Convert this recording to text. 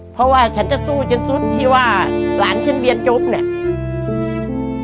เพราะว่าฉันจะสู้จนสุดที่ว่าหลานฉันเรียนจบเนี่ย